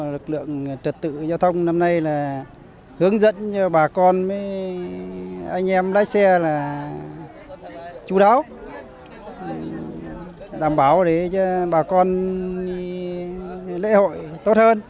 lực lượng trật tự giao thông năm nay là hướng dẫn cho bà con với anh em lái xe là chú đáo đảm bảo để cho bà con lễ hội tốt hơn